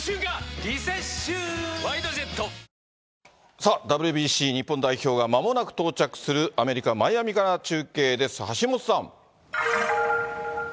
さあ、ＷＢＣ日本代表がまもなく到着するアメリカ・マイアミから中継です、橋本さん。